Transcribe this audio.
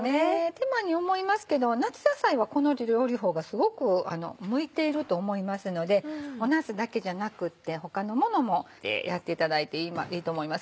手間に思いますけど夏野菜はこの料理法がすごく向いていると思いますのでなすだけじゃなくって他のものもやっていただいていいと思います。